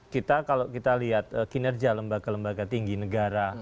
kita kalau kita lihat kinerja lembaga lembaga tinggi negara